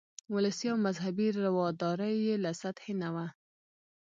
ولسي او مذهبي رواداري یې له سطحې نه وه.